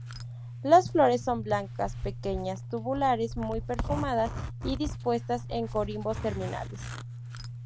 Las flores son blancas, pequeñas, tubulares, muy perfumadas y dispuestas en corimbos terminales.